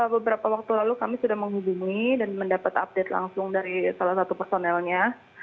beberapa waktu lalu kami sudah menghubungi dan mendapat update langsung dari salah satu personelnya